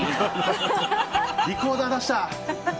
リコーダー出した！